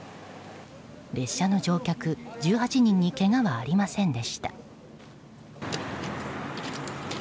列車の乗客１８人にけがはありませんでした。